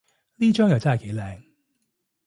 呢張又真係幾靚